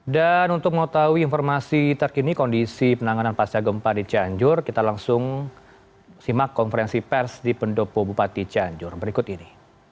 untuk mengetahui informasi terkini kondisi penanganan pasca gempa di cianjur kita langsung simak konferensi pers di pendopo bupati cianjur berikut ini